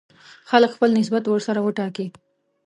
خلک خپل نسبت ورسره وټاکي.